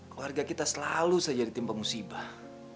keluarga kita selalu saja ditimpa musibah